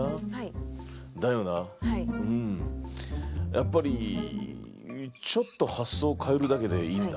やっぱりちょっと発想を変えるだけでいいんだ。